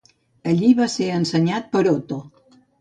Allí va ser ensenyat per Otto.